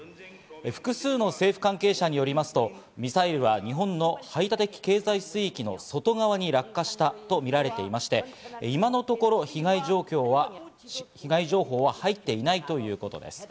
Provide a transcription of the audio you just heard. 複数の政府関係者によりますと、ミサイルは日本の排他的経済水域の外側に落下したとみられていまして、今のところ被害情報は入っていないということです。